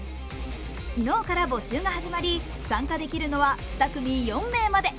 昨日から募集が始まり参加できるのは２組４名まで。